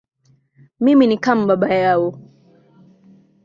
Mimi ni kama baba yao.